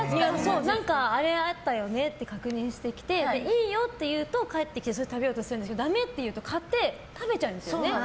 何か、あれあったよねって確認してきていいよっていうと帰ってきて食べようとするんですけどダメって言うと買って食べちゃうんですよね。